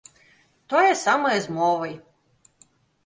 Тое самае з мовай.